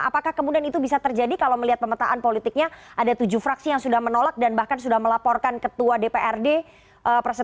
apakah kemudian itu bisa terjadi kalau melihat pemetaan politiknya ada tujuh fraksi yang sudah menolak dan bahkan sudah melaporkan ketua dprd